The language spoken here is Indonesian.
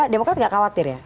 demokrat gak khawatir ya